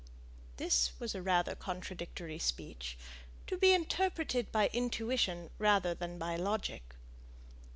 This was a rather contradictory speech, to be interpreted by intuition rather than by logic.